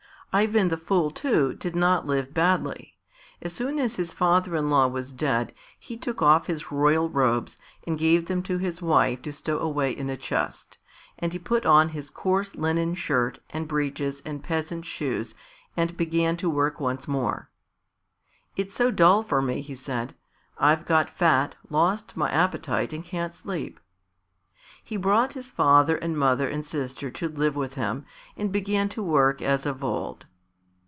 Ivan the Fool, too, did not live badly. As soon as his father in law was dead he took off his royal robes and gave them to his wife to stow away in a chest. And he put on his coarse linen shirt and breeches and peasant shoes and began to work once more. "It's so dull for me," he said. "I've got fat, lost my appetite and can't sleep." He brought his father and mother and sister to live with him, and began to work as of old.